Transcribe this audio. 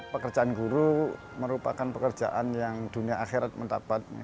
pekerjaan guru merupakan pekerjaan yang dunia akhirat mendapat